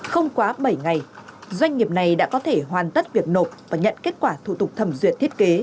không quá bảy ngày doanh nghiệp này đã có thể hoàn tất việc nộp và nhận kết quả thủ tục thẩm duyệt thiết kế